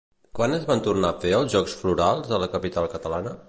Quan es van tornar a fer els Jocs Florals a la capital catalana?